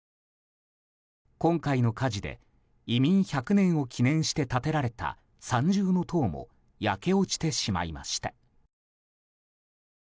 今回の火事で移民１００年を記念して建てられた三重塔も焼け落ちてしまいました。